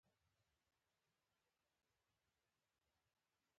سیلابونه د افغانانو لپاره په معنوي لحاظ پوره ارزښت لري.